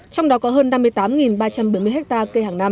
trong đó có hơn năm mươi tám ba trăm bảy mươi ha cây hàng năm